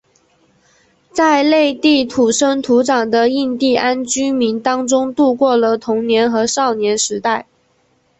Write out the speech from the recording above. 在内地土生土长的印第安居民当中度过了童年和少年时代。